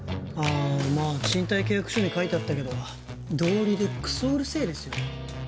あまあ賃貸契約書に書いてあったけど道理でクソうるせえですよ